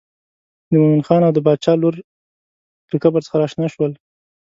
د مومن خان او د باچا لور له قبر څخه راشنه شول.